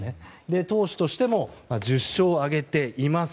投手としても１０勝を挙げています。